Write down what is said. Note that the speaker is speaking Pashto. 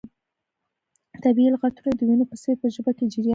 طبیعي لغتونه د وینو په څیر په ژبه کې جریان لري.